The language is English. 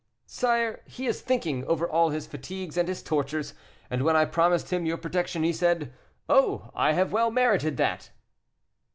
"Sire, he is thinking over all his fatigues and his tortures, and when I promised him your protection, he said, 'Oh! I have well merited that.